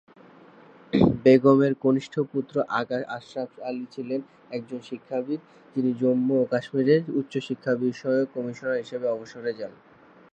বেগমের কনিষ্ঠ পুত্র আগা আশরাফ আলী ছিলেন একজন শিক্ষাবিদ যিনি জম্মু ও কাশ্মীরের উচ্চশিক্ষা বিষয়ক কমিশনার হিসাবে অবসরে যান।